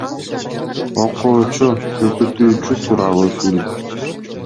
Окуучу — көкүтүүчү тууралуу фильм.